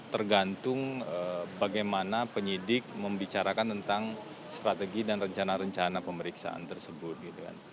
tergantung bagaimana penyidik membicarakan tentang strategi dan rencana rencana pemeriksaan tersebut gitu kan